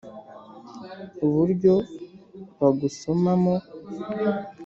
Uburyo bagusomamo